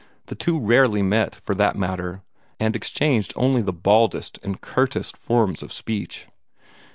The two rarely met, for that matter, and exchanged only the baldest and curtest forms of speech.